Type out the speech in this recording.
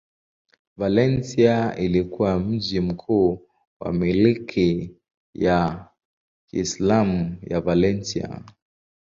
Valencia ilikuwa mji mkuu wa milki ya Kiislamu ya Valencia.